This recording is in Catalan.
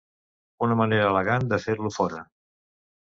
Una manera elegant de fer-lo fora.